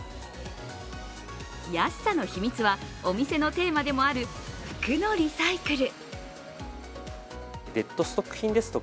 安さの秘密はお店のテーマでもある服のリサイクル。